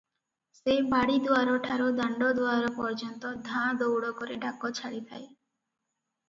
ସେ ବାଡ଼ି ଦୁଆରଠାରୁ ଦାଣ୍ତ ଦୁଆର ପର୍ଯ୍ୟନ୍ତ ଧାଁଦଉଡ଼ କରି ଡାକ ଛାଡ଼ିଥାଏ ।